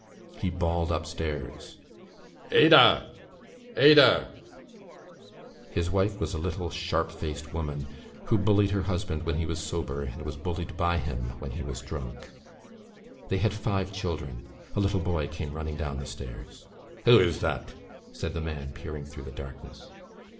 He bawled upstairs: "Ada! Ada!" His wife was a little sharp faced woman who bullied her husband when he was sober and was bullied by him when he was drunk. They had five children. A little boy came running down the stairs. "Who is that?" said the man, peering through the darkness.